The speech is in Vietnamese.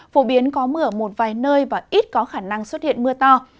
phổ biến có mưa ở một vài nơi và ít có khả năng xuất hiện mưa to